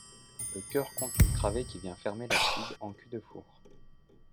Le chœur compte une travée que vient fermer l'abside en cul-de-four.